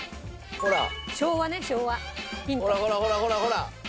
ほらほらほらほらほら！